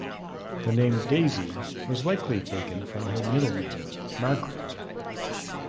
The name Daisy was likely taken from her middle name Margaret.